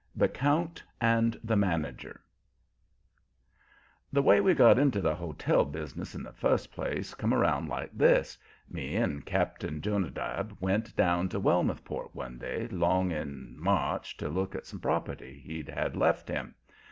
THE COUNT AND THE MANAGER The way we got into the hotel business in the first place come around like this: Me and Cap'n Jonadab went down to Wellmouth Port one day 'long in March to look at some property he'd had left him.